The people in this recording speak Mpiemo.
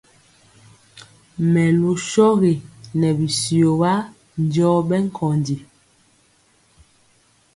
Mɛlu shɔgi nɛ bityio wa njɔɔ bɛ nkondi.